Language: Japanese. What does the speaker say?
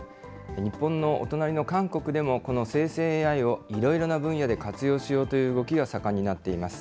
日本のお隣の韓国でも、この生成ＡＩをいろいろな分野で活用しようという動きが盛んになっています。